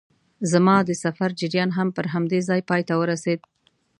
زما د سفر جریان هم پر همدې ځای پای ته ورسېد.